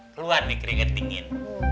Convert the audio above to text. keluar nih keringet dingin